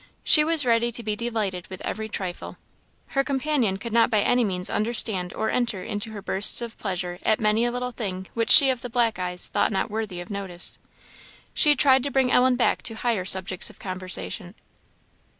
She was ready to be delighted with every trifle; her companion could not by any means understand or enter into her bursts of pleasure at many a little thing which she of the black eyes thought not worthy of notice. She tried to bring Ellen back to higher subjects of conversion.